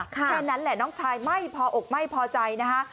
แค่นั้นแหละน้องชายไม่พออกไม่พอใจนะคะ